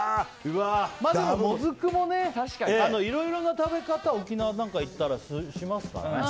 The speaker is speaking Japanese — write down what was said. でも、もずくもいろいろな食べ方を沖縄に行ったらしますからね。